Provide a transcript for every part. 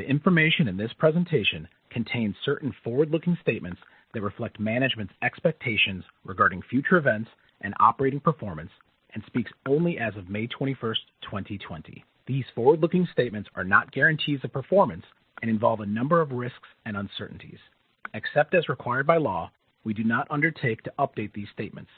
The information in this presentation contains certain forward-looking statements that reflect management's expectations regarding future events and operating performance, and speaks only as of May 21st, 2020. These forward-looking statements are not guarantees of performance and involve a number of risks and uncertainties. Except as required by law, we do not undertake to update these statements.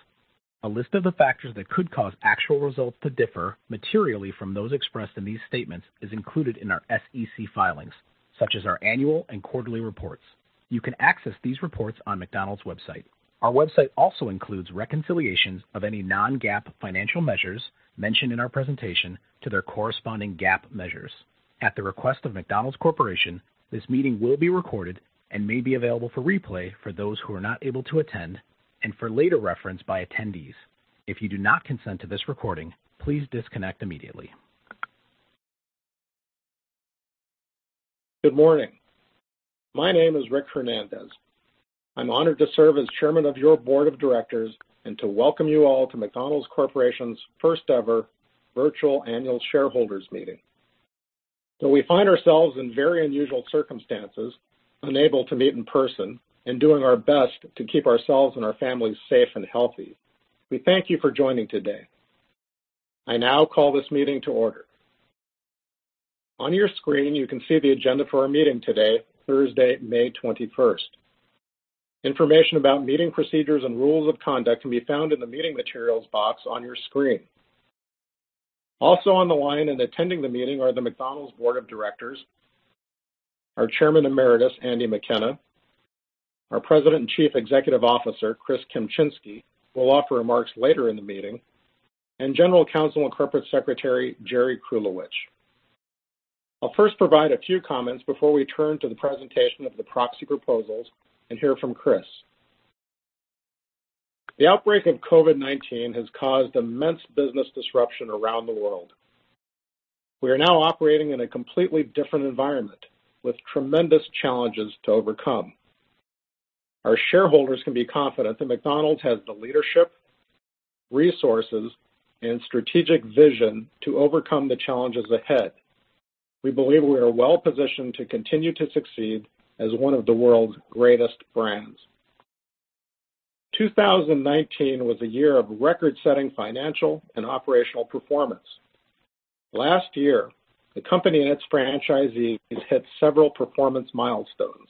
A list of the factors that could cause actual results to differ materially from those expressed in these statements is included in our SEC filings, such as our annual and quarterly reports. You can access these reports on McDonald's website. Our website also includes reconciliations of any non-GAAP financial measures mentioned in our presentation to their corresponding GAAP measures. At the request of McDonald's Corporation, this meeting will be recorded and may be available for replay for those who are not able to attend and for later reference by attendees. If you do not consent to this recording, please disconnect immediately. Good morning. My name is Rick Hernandez. I'm honored to serve as chairman of your board of directors and to welcome you all to McDonald's Corporation's first-ever virtual annual shareholders meeting. Though we find ourselves in very unusual circumstances, unable to meet in person, and doing our best to keep ourselves and our families safe and healthy, we thank you for joining today. I now call this meeting to order. On your screen, you can see the agenda for our meeting today, Thursday, May 21st. Information about meeting procedures and rules of conduct can be found in the meeting materials box on your screen. Also on the line and attending the meeting are the McDonald's board of directors, our Chairman Emeritus, Andy McKenna. Our President and Chief Executive Officer, Chris Kempczinski, will offer remarks later in the meeting, and General Counsel and Corporate Secretary, Jerome Krulewitch. I'll first provide a few comments before we turn to the presentation of the proxy proposals and hear from Chris. The outbreak of COVID-19 has caused immense business disruption around the world. We are now operating in a completely different environment, with tremendous challenges to overcome. Our shareholders can be confident that McDonald's has the leadership, resources, and strategic vision to overcome the challenges ahead. We believe we are well-positioned to continue to succeed as one of the world's greatest brands. 2019 was a year of record-setting financial and operational performance. Last year, the company and its franchisees hit several performance milestones.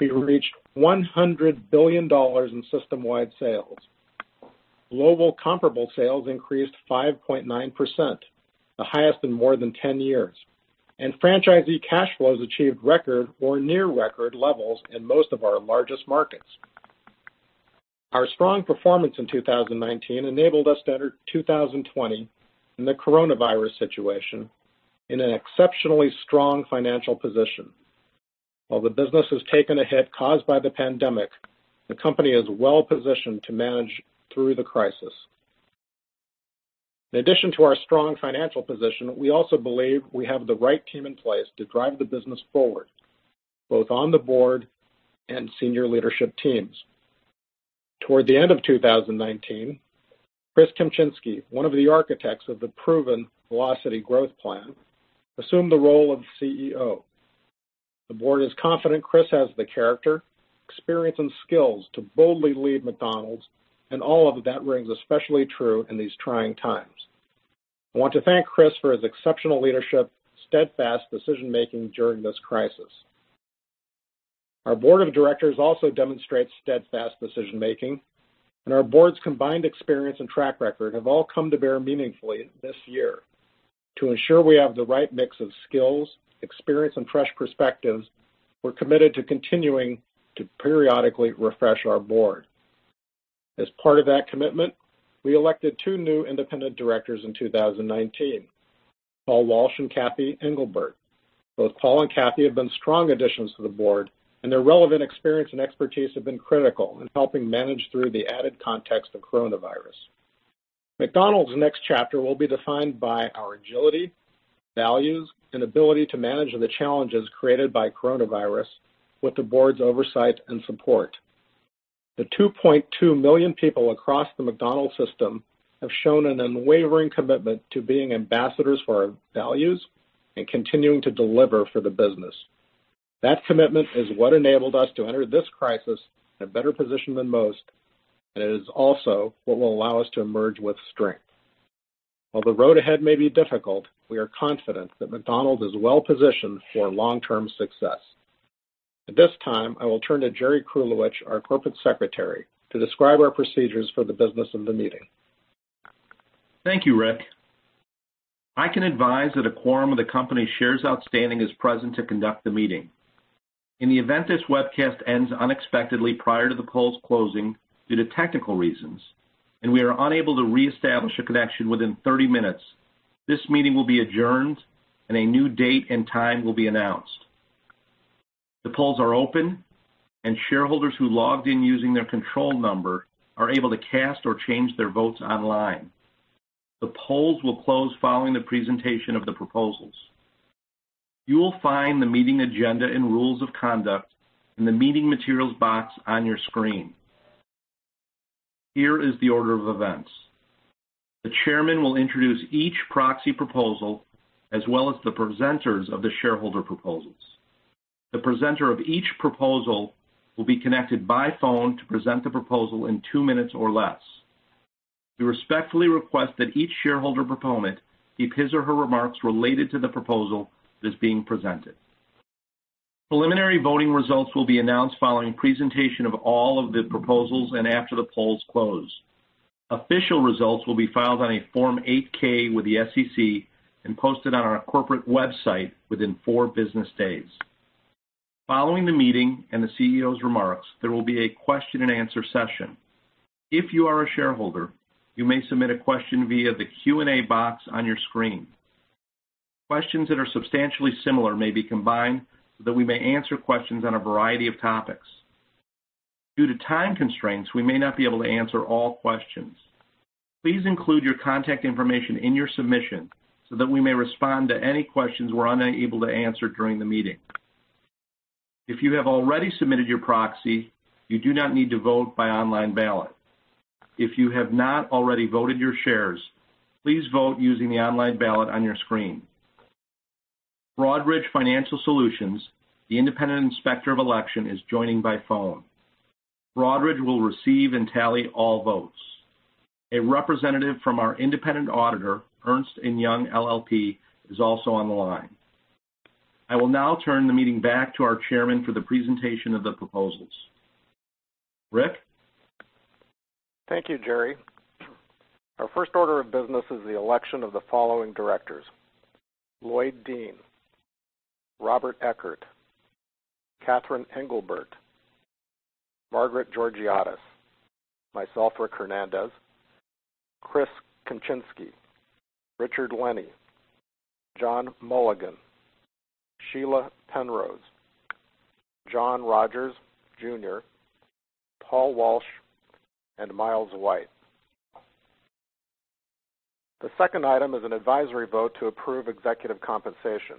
We reached $100 billion in system-wide sales. Global comparable sales increased 5.9%, the highest in more than 10 years, and franchisee cash flows achieved record or near record levels in most of our largest markets. Our strong performance in 2019 enabled us to enter 2020, and the coronavirus situation, in an exceptionally strong financial position. While the business has taken a hit caused by the pandemic, the company is well-positioned to manage through the crisis. In addition to our strong financial position, we also believe we have the right team in place to drive the business forward, both on the board and senior leadership teams. Toward the end of 2019, Chris Kempczinski, one of the architects of the proven Velocity Growth Plan, assumed the role of CEO. The board is confident Chris has the character, experience, and skills to boldly lead McDonald's, and all of that rings especially true in these trying times. I want to thank Chris for his exceptional leadership, steadfast decision-making during this crisis. Our board of directors also demonstrates steadfast decision-making, and our board's combined experience and track record have all come to bear meaningfully this year. To ensure we have the right mix of skills, experience, and fresh perspectives, we're committed to continuing to periodically refresh our board. As part of that commitment, we elected two new independent directors in 2019, Paul Walsh and Cathy Engelbert. Both Paul and Kathy have been strong additions to the board, and their relevant experience and expertise have been critical in helping manage through the added context of coronavirus. McDonald's next chapter will be defined by our agility, values, and ability to manage the challenges created by coronavirus with the board's oversight and support. The 2.2 million people across the McDonald's system have shown an unwavering commitment to being ambassadors for our values and continuing to deliver for the business. That commitment is what enabled us to enter this crisis in a better position than most, and it is also what will allow us to emerge with strength. While the road ahead may be difficult, we are confident that McDonald's is well-positioned for long-term success. At this time, I will turn to Jerome Krulewitch, our Corporate Secretary, to describe our procedures for the business of the meeting. Thank you, Rick. I can advise that a quorum of the company shares outstanding is present to conduct the meeting. In the event this webcast ends unexpectedly prior to the polls closing due to technical reasons, and we are unable to reestablish a connection within 30 minutes, this meeting will be adjourned and a new date and time will be announced. Shareholders who logged in using their control number are able to cast or change their votes online. The polls will close following the presentation of the proposals. You will find the meeting agenda and rules of conduct in the meeting materials box on your screen. Here is the order of events. The chairman will introduce each proxy proposal as well as the presenters of the shareholder proposals. The presenter of each proposal will be connected by phone to present the proposal in two minutes or less. We respectfully request that each shareholder proponent keep his or her remarks related to the proposal that is being presented. Preliminary voting results will be announced following presentation of all of the proposals and after the polls close. Official results will be filed on a Form 8-K with the SEC and posted on our corporate website within four business days. Following the meeting and the CEO's remarks, there will be a question and answer session. If you are a shareholder, you may submit a question via the Q&A box on your screen. Questions that are substantially similar may be combined so that we may answer questions on a variety of topics. Due to time constraints, we may not be able to answer all questions. Please include your contact information in your submission so that we may respond to any questions we're unable to answer during the meeting. If you have already submitted your proxy, you do not need to vote by online ballot. If you have not already voted your shares, please vote using the online ballot on your screen. Broadridge Financial Solutions, the independent inspector of election, is joining by phone. Broadridge will receive and tally all votes. A representative from our independent auditor, Ernst & Young LLP, is also on the line. I will now turn the meeting back to our chairman for the presentation of the proposals. Rick? Thank you, Jerome. Our first order of business is the election of the following directors. Lloyd Dean, Robert Eckert, Catherine Engelbert, Margaret Georgiadis, myself, Rick Hernandez, Chris Kempczinski, Richard Lenny, John Mulligan, Sheila Penrose, John Rogers Jr., Paul Walsh, and Miles White. The second item is an advisory vote to approve executive compensation.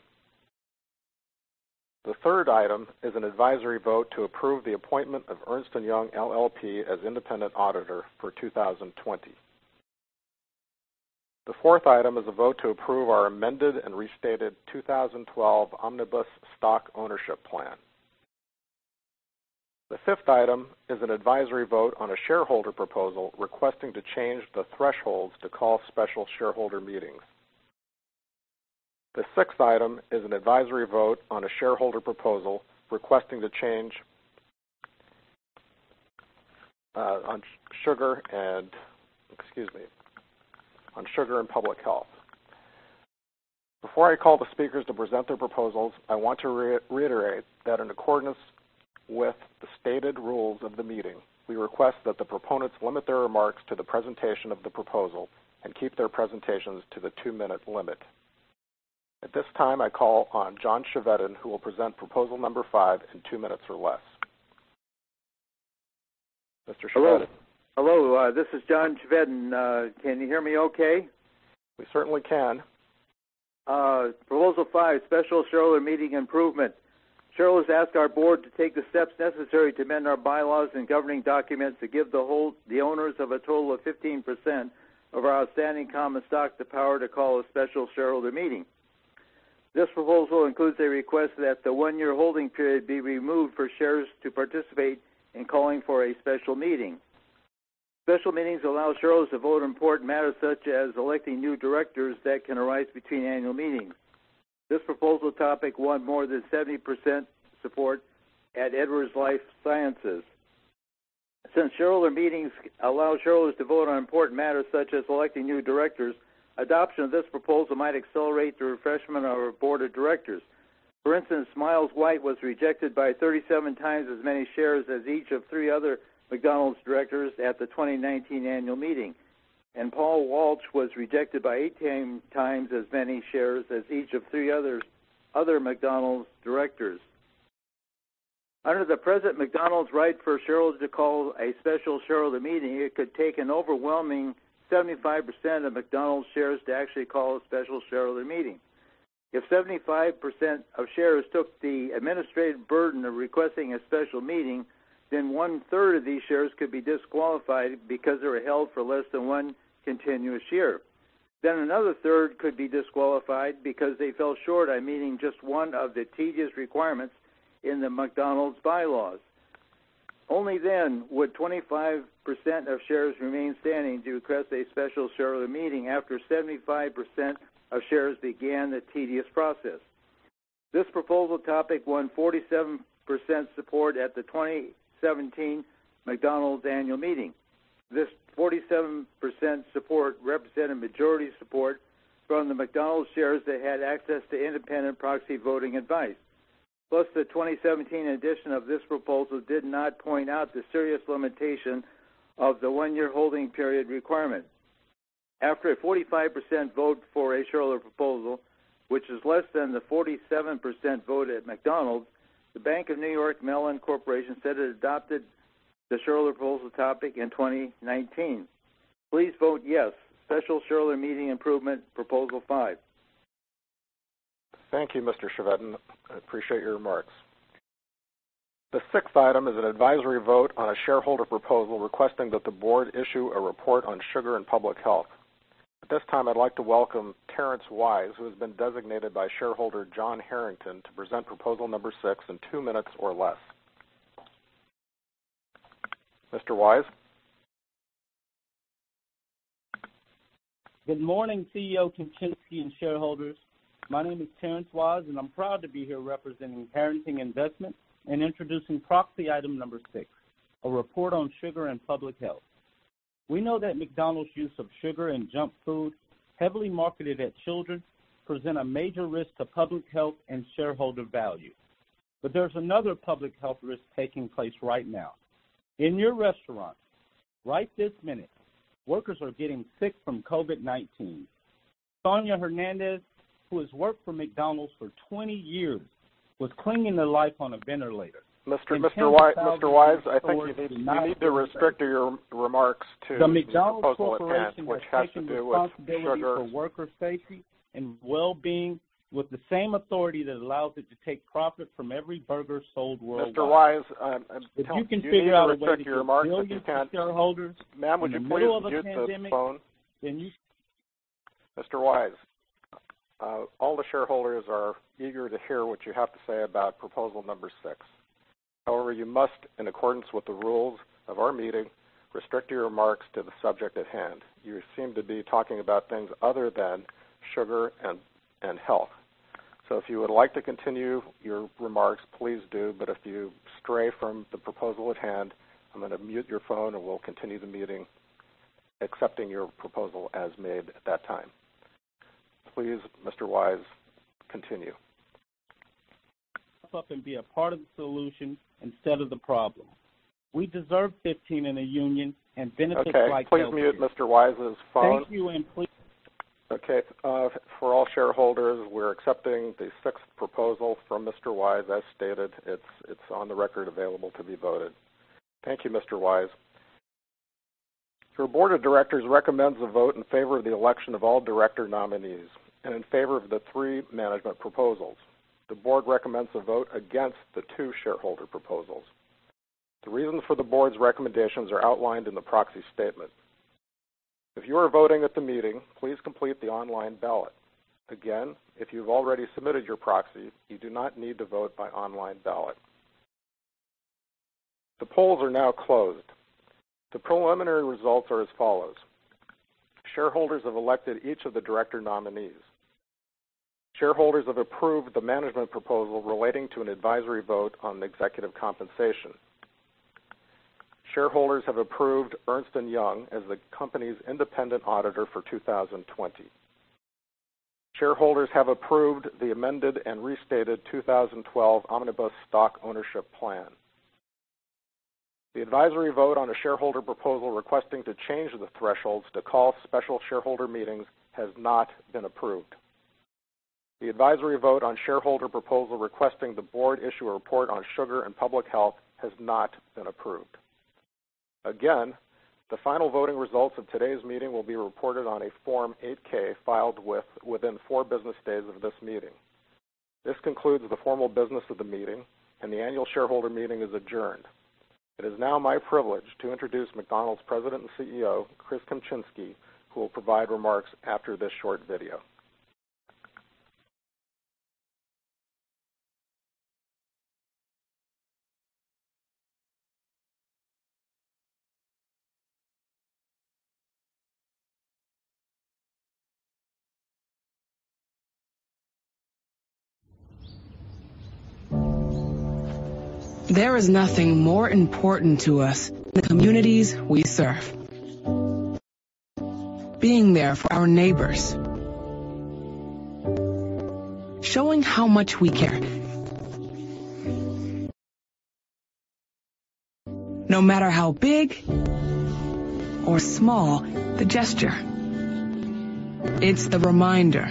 The third item is an advisory vote to approve the appointment of Ernst & Young LLP as independent auditor for 2020. The fourth item is a vote to approve our amended and restated 2012 Omnibus Stock Ownership Plan. The fifth item is an advisory vote on a shareholder proposal requesting to change the thresholds to call special shareholder meetings. The sixth item is an advisory vote on a shareholder proposal requesting to change on sugar and public health. Before I call the speakers to present their proposals, I want to reiterate that in accordance with the stated rules of the meeting, we request that the proponents limit their remarks to the presentation of the proposal and keep their presentations to the two-minute limit. At this time, I call on John Chevedden, who will present proposal number five in two minutes or less. Mr. Chevedden? Hello, this is John Chevedden. Can you hear me okay? We certainly can. Proposal five, special shareholder meeting improvement. Shareholders ask our board to take the steps necessary to amend our bylaws and governing documents to give the owners of a total of 15% of our outstanding common stock the power to call a special shareholder meeting. This proposal includes a request that the one-year holding period be removed for shareholders to participate in calling for a special meeting. Special meetings allow shareholders to vote on important matters such as electing new directors that can arise between annual meetings. This proposal topic won more than 70% support at Edwards Lifesciences. Since shareholder meetings allow shareholders to vote on important matters such as electing new directors, adoption of this proposal might accelerate the refreshment of our board of directors. For instance, Miles White was rejected by 37 times as many shares as each of three other McDonald's directors at the 2019 annual meeting, and Paul Walsh was rejected by 18 times as many shares as each of three other McDonald's directors. Under the present McDonald's right for shareholders to call a special shareholder meeting, it could take an overwhelming 75% of McDonald's shares to actually call a special shareholder meeting. If 75% of shares took the administrative burden of requesting a special meeting, then one-third of these shares could be disqualified because they were held for less than one continuous year. Another third could be disqualified because they fell short on meeting just one of the tedious requirements in the McDonald's bylaws. Only then would 25% of shares remain standing to request a special shareholder meeting after 75% of shares began the tedious process. This proposal topic won 47% support at the 2017 McDonald's annual meeting. This 47% support represented majority support from the McDonald's shares that had access to independent proxy voting advice. Plus, the 2017 edition of this proposal did not point out the serious limitation of the one-year holding period requirement. After a 45% vote for a shareholder proposal, which is less than the 47% vote at McDonald's, the Bank of New York Mellon Corporation said it adopted the shareholder proposal topic in 2019. Please vote yes. Special shareholder meeting improvement proposal five Thank you, Mr. Chevedden. I appreciate your remarks. The sixth item is an advisory vote on a shareholder proposal requesting that the board issue a report on sugar and public health. At this time, I'd like to welcome Terrence Wise, who has been designated by shareholder John Harrington to present proposal number 6 in two minutes or less. Mr. Wise? Good morning, CEO Kempczinski and shareholders. My name is Terrence Wise, I'm proud to be here representing Harrington Investments and introducing proxy item number six, a report on sugar and public health. We know that McDonald's use of sugar and junk food, heavily marketed at children, present a major risk to public health and shareholder value. There's another public health risk taking place right now. In your restaurant, right this minute, workers are getting sick from COVID-19. Sonia Hernandez, who has worked for McDonald's for 20 years, was clinging to life on a ventilator. Mr. Wise, I think you need to restrict your remarks to the proposal at hand, which has to do with sugar. The McDonald's Corporation has taken responsibility for worker safety and well-being with the same authority that allows it to take profit from every burger sold worldwide. Mr. Wise If you can figure out a way to keep billions of shareholders- You need to restrict your remarks. Ma'am, would you please mute the phone? Mr. Wise. All the shareholders are eager to hear what you have to say about proposal number six. You must, in accordance with the rules of our meeting, restrict your remarks to the subject at hand. You seem to be talking about things other than sugar and health. If you would like to continue your remarks, please do. If you stray from the proposal at hand, I'm going to mute your phone, and we'll continue the meeting, accepting your proposal as made at that time. Please, Mr. Wise, continue. Step up and be a part of the solution instead of the problem. We deserve 15 in a union and benefits like healthcare. Okay. Please mute Mr. Wise's phone. Thank you. Okay. For all shareholders, we're accepting the sixth proposal from Mr. Wise as stated. It's on the record available to be voted. Thank you, Mr. Wise. Your Board of Directors recommends a vote in favor of the election of all director nominees and in favor of the three management proposals. The Board recommends a vote against the two shareholder proposals. The reasons for the Board's recommendations are outlined in the proxy statement. If you are voting at the meeting, please complete the online ballot. If you've already submitted your proxy, you do not need to vote by online ballot. The polls are now closed. The preliminary results are as follows. Shareholders have elected each of the director nominees. Shareholders have approved the management proposal relating to an advisory vote on executive compensation. Shareholders have approved Ernst & Young as the company's independent auditor for 2020. Shareholders have approved the amended and restated 2012 Omnibus Stock Ownership Plan. The advisory vote on a shareholder proposal requesting to change the thresholds to call special shareholder meetings has not been approved. The advisory vote on shareholder proposal requesting the board issue a report on sugar and public health has not been approved. Again, the final voting results of today's meeting will be reported on a Form 8-K filed within four business days of this meeting. This concludes the formal business of the meeting, and the annual shareholder meeting is adjourned. It is now my privilege to introduce McDonald's President and CEO, Chris Kempczinski, who will provide remarks after this short video. There is nothing more important to us than the communities we serve. Being there for our neighbors. Showing how much we care. No matter how big or small the gesture, it's the reminder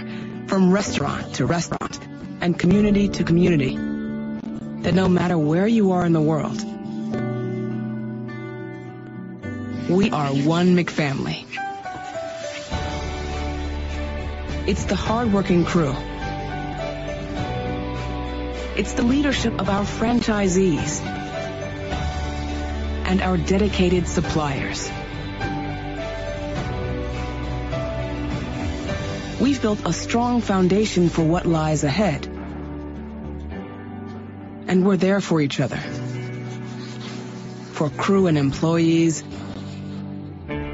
from restaurant to restaurant and community to community that no matter where you are in the world, we are one McFamily. It's the hardworking crew. It's the leadership of our franchisees and our dedicated suppliers. We've built a strong foundation for what lies ahead, and we're there for each other, for crew and employees,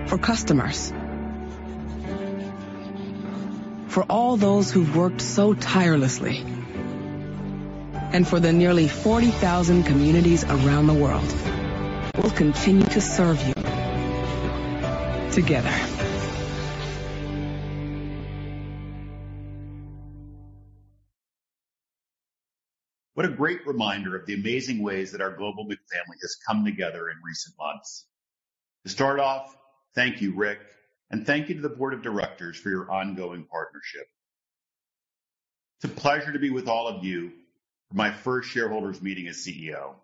for customers, for all those who've worked so tirelessly, and for the nearly 40,000 communities around the world. We'll continue to serve you, together. What a great reminder of the amazing ways that our global McFamily has come together in recent months. To start off, thank you, Rick, and thank you to the board of directors for your ongoing partnership. It's a pleasure to be with all of you for my first shareholders meeting as CEO.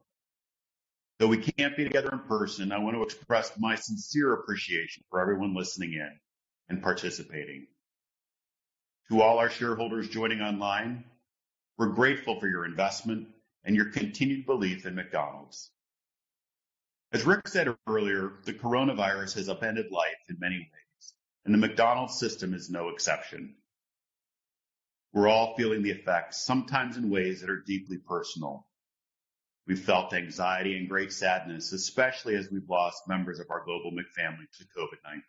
Though we can't be together in person, I want to express my sincere appreciation for everyone listening in and participating. To all our shareholders joining online, we're grateful for your investment and your continued belief in McDonald's. As Rick said earlier, the coronavirus has upended life in many ways, and the McDonald's system is no exception. We're all feeling the effects, sometimes in ways that are deeply personal. We've felt anxiety and great sadness, especially as we've lost members of our global McFamily to COVID-19.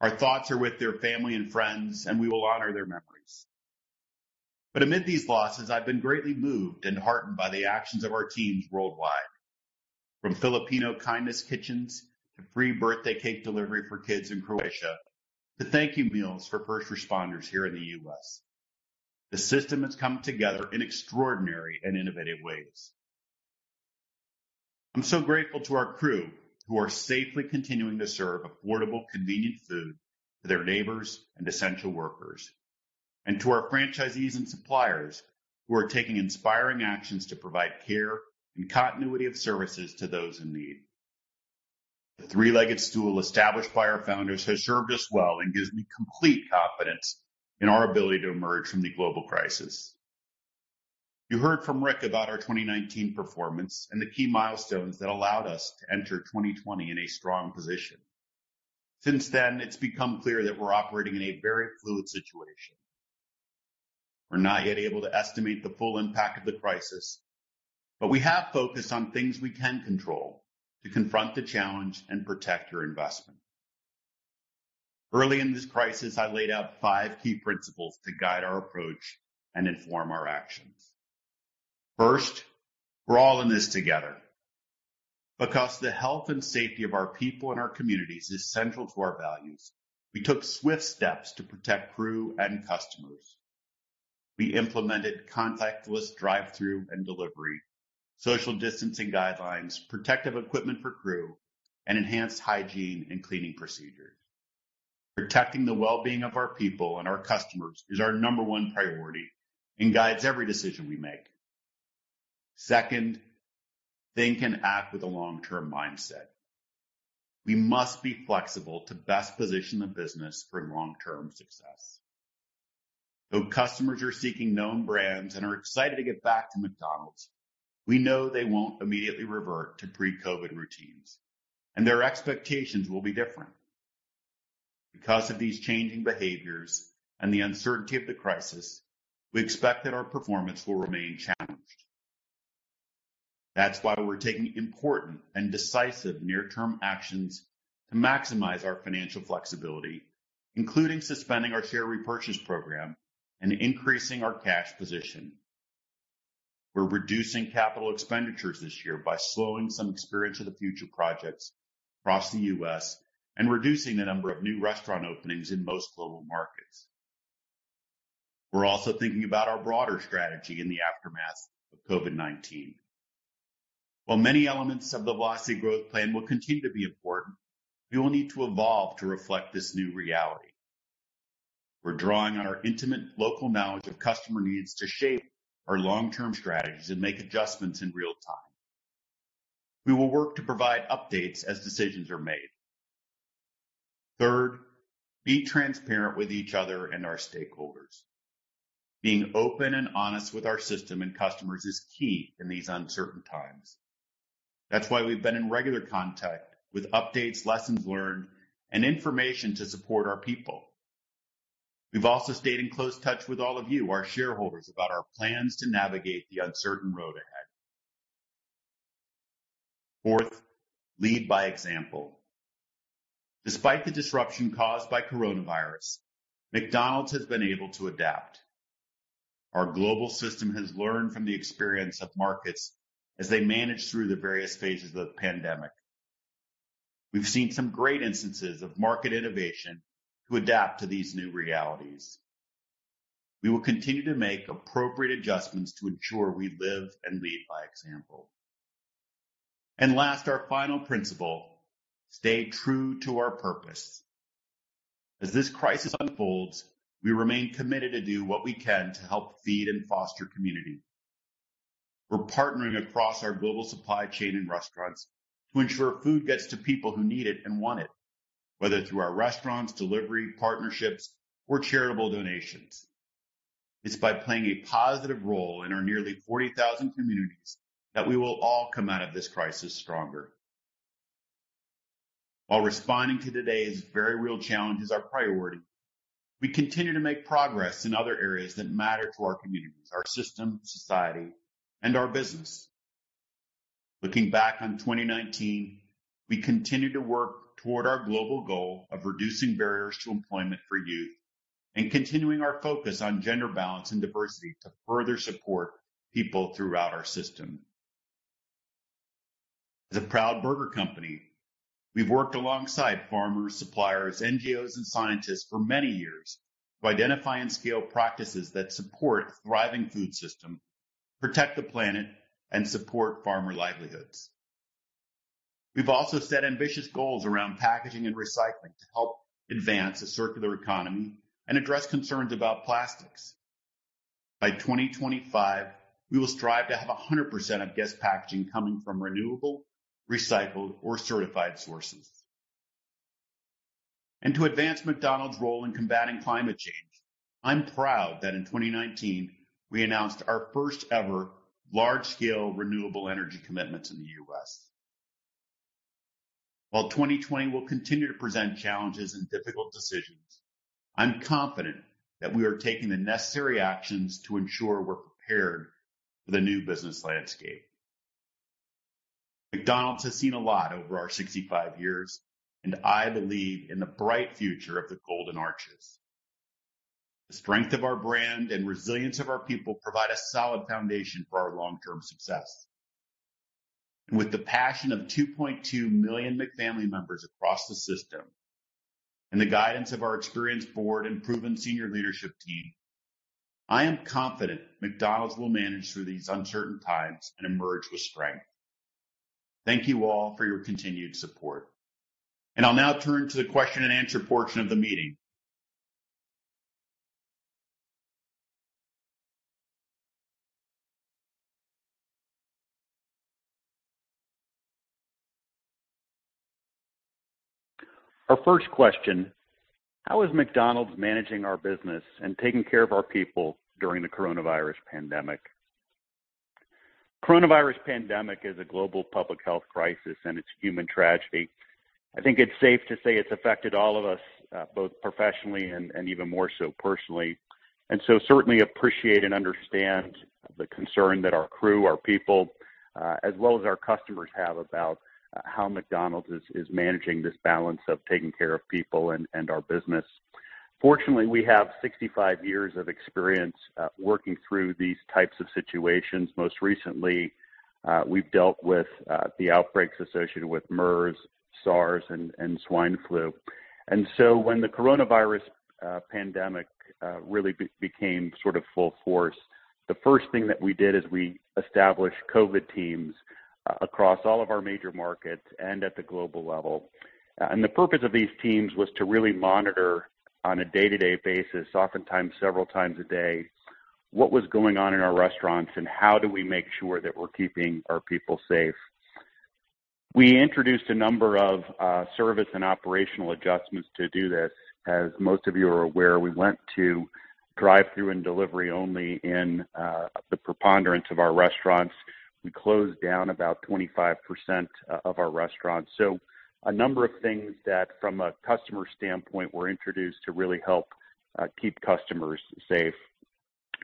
Our thoughts are with their family and friends, and we will honor their memories. Amid these losses, I've been greatly moved and heartened by the actions of our teams worldwide. From Filipino Kindness Kitchens, to free birthday cake delivery for kids in Croatia, to Thank You Meals for first responders here in the U.S., the system has come together in extraordinary and innovative ways. I'm so grateful to our crew who are safely continuing to serve affordable, convenient food to their neighbors and essential workers. To our franchisees and suppliers who are taking inspiring actions to provide care and continuity of services to those in need. The three-legged stool established by our founders has served us well and gives me complete confidence in our ability to emerge from the global crisis. You heard from Rick about our 2019 performance and the key milestones that allowed us to enter 2020 in a strong position. Since then, it's become clear that we're operating in a very fluid situation. We're not yet able to estimate the full impact of the crisis, but we have focused on things we can control to confront the challenge and protect your investment. Early in this crisis, I laid out five key principles to guide our approach and inform our actions. First, we're all in this together. Because the health and safety of our people and our communities is central to our values, we took swift steps to protect crew and customers. We implemented contactless drive-thru and delivery, social distancing guidelines, protective equipment for crew, and enhanced hygiene and cleaning procedures. Protecting the well-being of our people and our customers is our number one priority and guides every decision we make. Second, think and act with a long-term mindset. We must be flexible to best position the business for long-term success. Though customers are seeking known brands and are excited to get back to McDonald's, we know they won't immediately revert to pre-COVID routines, and their expectations will be different. Because of these changing behaviors and the uncertainty of the crisis, we expect that our performance will remain challenged. That's why we're taking important and decisive near-term actions to maximize our financial flexibility, including suspending our share repurchase program and increasing our cash position. We're reducing capital expenditures this year by slowing some Experience of the Future projects across the U.S. and reducing the number of new restaurant openings in most global markets. We're also thinking about our broader strategy in the aftermath of COVID-19. While many elements of the Velocity Growth Plan will continue to be important, we will need to evolve to reflect this new reality. We're drawing on our intimate local knowledge of customer needs to shape our long-term strategies and make adjustments in real time. We will work to provide updates as decisions are made. Third, be transparent with each other and our stakeholders. Being open and honest with our System and customers is key in these uncertain times. That's why we've been in regular contact with updates, lessons learned, and information to support our people. We've also stayed in close touch with all of you, our shareholders, about our plans to navigate the uncertain road ahead. Fourth, lead by example. Despite the disruption caused by coronavirus, McDonald's has been able to adapt. Our global system has learned from the experience of markets as they manage through the various phases of the pandemic. We've seen some great instances of market innovation to adapt to these new realities. We will continue to make appropriate adjustments to ensure we live and lead by example. Last, our final principle, stay true to our purpose. As this crisis unfolds, we remain committed to do what we can to help feed and foster community. We're partnering across our global supply chain and restaurants to ensure food gets to people who need it and want it, whether through our restaurants, delivery, partnerships, or charitable donations. It's by playing a positive role in our nearly 40,000 communities that we will all come out of this crisis stronger. While responding to today's very real challenge is our priority, we continue to make progress in other areas that matter to our communities, our System, society, and our business. Looking back on 2019, we continue to work toward our global goal of reducing barriers to employment for youth and continuing our focus on gender balance and diversity to further support people throughout our System. As a proud burger company, we've worked alongside farmers, suppliers, NGOs, and scientists for many years to identify and scale practices that support a thriving food system, protect the planet, and support farmer livelihoods. We've also set ambitious goals around packaging and recycling to help advance a circular economy and address concerns about plastics. By 2025, we will strive to have 100% of guest packaging coming from renewable, recycled, or certified sources. To advance McDonald's role in combating climate change, I'm proud that in 2019, we announced our first-ever large-scale renewable energy commitments in the U.S. While 2020 will continue to present challenges and difficult decisions, I'm confident that we are taking the necessary actions to ensure we're prepared for the new business landscape. McDonald's has seen a lot over our 65 years, and I believe in the bright future of the golden arches. The strength of our brand and resilience of our people provide a solid foundation for our long-term success. With the passion of 2.2 million McFamily members across the system, and the guidance of our experienced board and proven senior leadership team, I am confident McDonald's will manage through these uncertain times and emerge with strength. Thank you all for your continued support. I'll now turn to the question and answer portion of the meeting. Our first question: How is McDonald's managing our business and taking care of our people during the coronavirus pandemic? Coronavirus pandemic is a global public health crisis and it's human tragedy. I think it's safe to say it's affected all of us, both professionally and even more so personally. Certainly appreciate and understand the concern that our crew, our people, as well as our customers have about how McDonald's is managing this balance of taking care of people and our business. Fortunately, we have 65 years of experience working through these types of situations. Most recently, we've dealt with the outbreaks associated with MERS, SARS, and swine flu. When the coronavirus pandemic really became sort of full force, the first thing that we did is we established COVID teams across all of our major markets and at the global level. The purpose of these teams was to really monitor on a day-to-day basis, oftentimes several times a day, what was going on in our restaurants and how do we make sure that we're keeping our people safe. We introduced a number of service and operational adjustments to do this. As most of you are aware, we went to drive-through and delivery only in the preponderance of our restaurants. We closed down about 25% of our restaurants. A number of things that from a customer standpoint, were introduced to really help keep customers safe.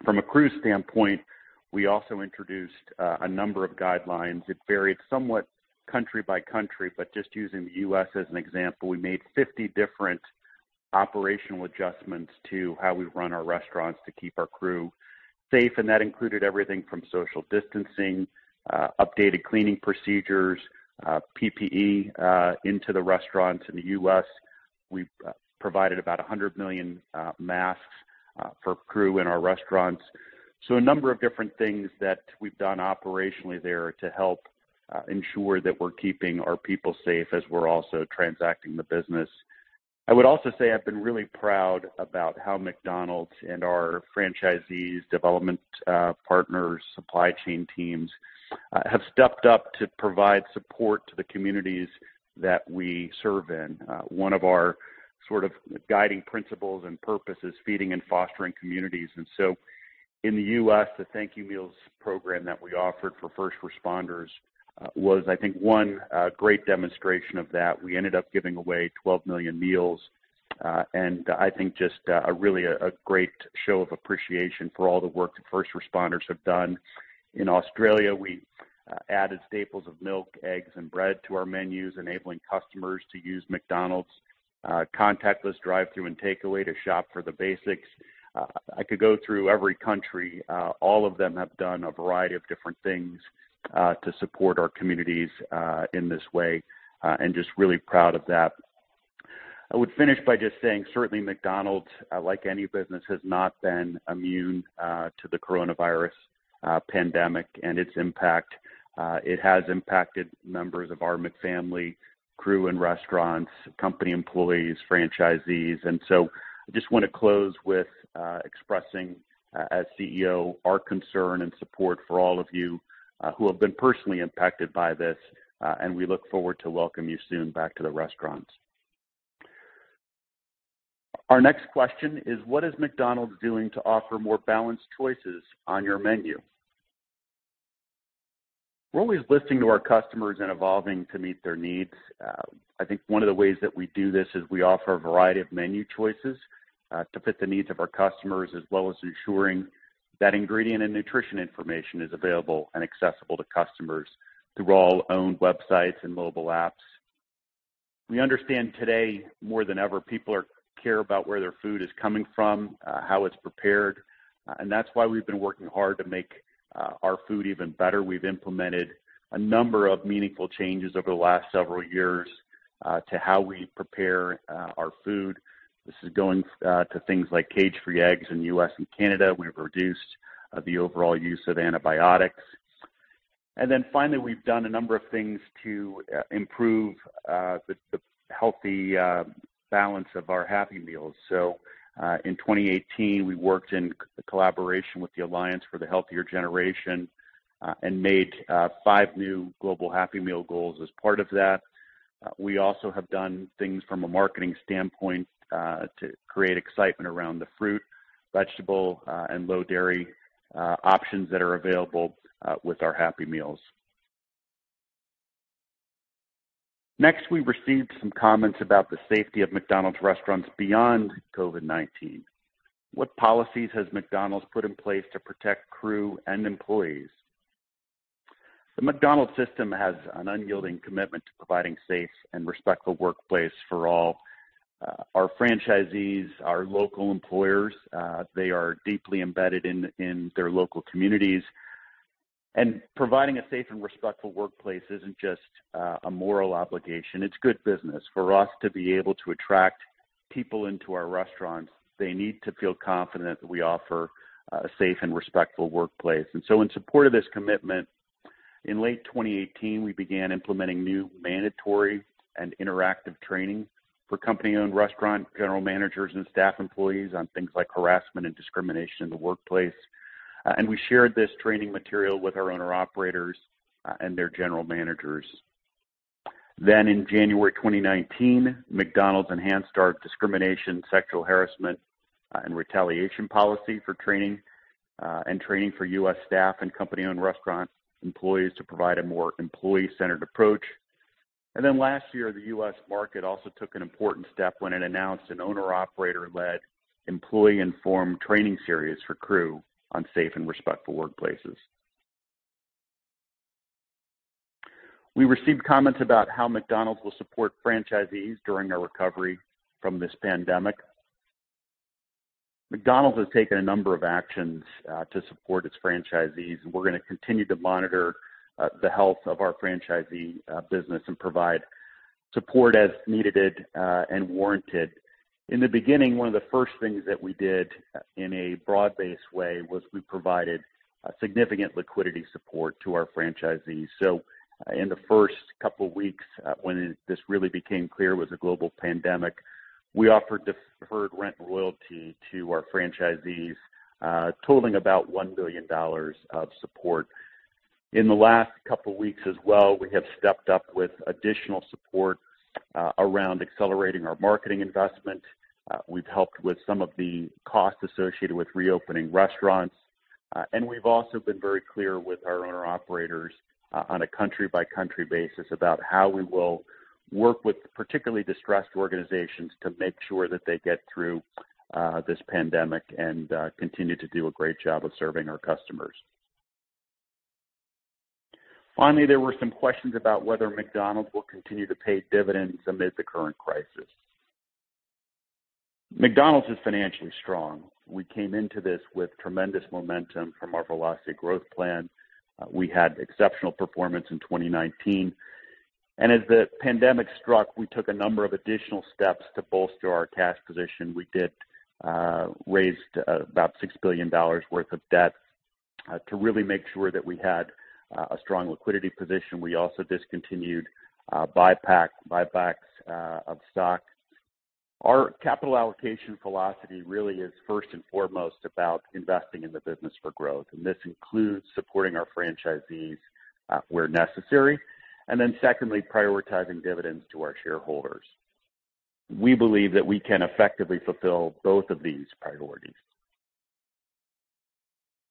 From a crew standpoint, we also introduced a number of guidelines. It varied somewhat country by country, just using the U.S. as an example, we made 50 different operational adjustments to how we run our restaurants to keep our crew safe, and that included everything from social distancing, updated cleaning procedures, PPE into the restaurants. In the U.S., we provided about 100 million masks for crew in our restaurants. A number of different things that we've done operationally there to help ensure that we're keeping our people safe as we're also transacting the business. I would also say I've been really proud about how McDonald's and our franchisees, development partners, supply chain teams have stepped up to provide support to the communities that we serve in. One of our guiding principles and purpose is feeding and fostering communities. In the U.S., the Thank You Meals program that we offered for first responders was, I think, one great demonstration of that. We ended up giving away 12 million meals. I think just really a great show of appreciation for all the work the first responders have done. In Australia, we added staples of milk, eggs, and bread to our menus, enabling customers to use McDonald's contactless drive-through and takeaway to shop for the basics. I could go through every country. All of them have done a variety of different things to support our communities in this way, and just really proud of that. I would finish by just saying, certainly McDonald's, like any business, has not been immune to the coronavirus pandemic and its impact. It has impacted members of our McFamily, crew in restaurants, company employees, franchisees. I just want to close with expressing, as CEO, our concern and support for all of you who have been personally impacted by this, and we look forward to welcome you soon back to the restaurants. Our next question is, what is McDonald's doing to offer more balanced choices on your menu? We're always listening to our customers and evolving to meet their needs. I think one of the ways that we do this is we offer a variety of menu choices to fit the needs of our customers, as well as ensuring that ingredient and nutrition information is available and accessible to customers through all owned websites and mobile apps. We understand today, more than ever, people care about where their food is coming from, how it's prepared, and that's why we've been working hard to make our food even better. We've implemented a number of meaningful changes over the last several years. To how we prepare our food. This is going to things like cage-free eggs in the U.S. and Canada. We've reduced the overall use of antibiotics. Finally, we've done a number of things to improve the healthy balance of our Happy Meals. In 2018, we worked in collaboration with the Alliance for a Healthier Generation, and made five new global Happy Meal goals as part of that. We also have done things from a marketing standpoint, to create excitement around the fruit, vegetable, and low dairy options that are available with our Happy Meals. We received some comments about the safety of McDonald's restaurants beyond COVID-19. What policies has McDonald's put in place to protect crew and employees? The McDonald's system has an unyielding commitment to providing safe and respectful workplace for all. Our franchisees, our local employers, they are deeply embedded in their local communities. Providing a safe and respectful workplace isn't just a moral obligation. It's good business. For us to be able to attract people into our restaurants, they need to feel confident that we offer a safe and respectful workplace. In support of this commitment, in late 2018, we began implementing new mandatory and interactive training for company-owned restaurant general managers and staff employees on things like harassment and discrimination in the workplace. We shared this training material with our owner operators, and their general managers. In January 2019, McDonald's enhanced our discrimination, sexual harassment, and retaliation policy for training, and training for U.S. staff and company-owned restaurant employees to provide a more employee-centered approach. Last year, the U.S. market also took an important step when it announced an owner-operator-led employee-informed training series for crew on safe and respectful workplaces. We received comments about how McDonald's will support franchisees during our recovery from this pandemic. McDonald's has taken a number of actions to support its franchisees, and we're going to continue to monitor the health of our franchisee business and provide support as needed and warranted. In the beginning, one of the first things that we did in a broad-based way was we provided significant liquidity support to our franchisees. In the first couple weeks, when this really became clear was a global pandemic, we offered deferred rent and royalty to our franchisees, totaling about $1 billion of support. In the last couple weeks as well, we have stepped up with additional support around accelerating our marketing investment. We've helped with some of the costs associated with reopening restaurants. We've also been very clear with our owner operators on a country-by-country basis about how we will work with particularly distressed organizations to make sure that they get through this pandemic and continue to do a great job of serving our customers. Finally, there were some questions about whether McDonald's will continue to pay dividends amid the current crisis. McDonald's is financially strong. We came into this with tremendous momentum from our Velocity Growth Plan. We had exceptional performance in 2019. As the pandemic struck, we took a number of additional steps to bolster our cash position. We did raise about $6 billion worth of debt to really make sure that we had a strong liquidity position. We also discontinued buybacks of stock. Our capital allocation philosophy really is first and foremost about investing in the business for growth, and this includes supporting our franchisees where necessary. Secondly, prioritizing dividends to our shareholders. We believe that we can effectively fulfill both of these priorities.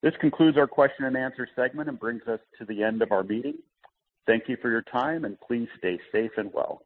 This concludes our question and answer segment and brings us to the end of our meeting. Thank you for your time, and please stay safe and well.